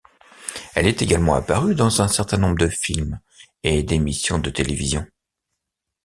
Elle est également apparue dans un certain nombre de films et d'émissions de télévision.